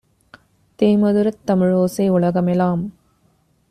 தேமதுரத் தமிழோசை உலகமெலாம்